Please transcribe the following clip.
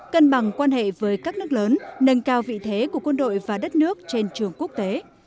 cân bằng quan hệ với các nước lớn nâng cao vị thế của quân đội và đất nước trên trường quốc tế